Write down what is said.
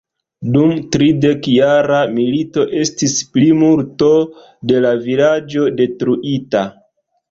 Dum tridekjara milito estis plimulto de la vilaĝo detruita.